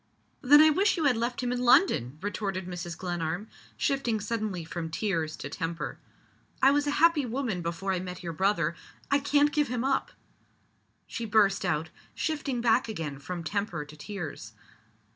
_" "Then I wish you had left him in London!" retorted Mrs. Glenarm, shifting suddenly from tears to temper. "I was a happy woman before I met your brother. I can't give him up!" she burst out, shifting back again from temper to tears.